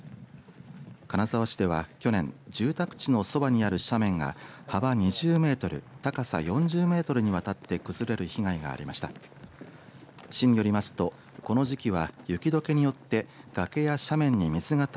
金沢市では去年住宅地のそばにある斜面が幅２０メートル高さ４０メートルにわたって崩れる被害がありました。